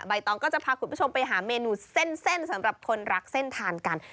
ตองก็จะพาคุณผู้ชมไปหาเมนูเส้นสำหรับคนรักเส้นทานกัน